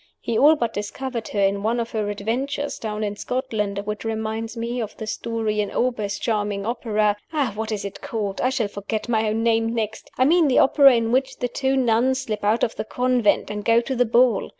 He all but discovered her in one of her adventures (down in Scotland), which reminds me of the story in Auber's charming opera what is it called? I shall forget my own name next! I mean the opera in which the two nuns slip out of the convent, and go to the ball.